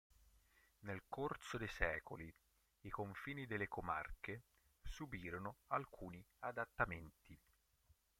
Nel corso dei secoli, i confini delle comarche subirono alcuni adattamenti.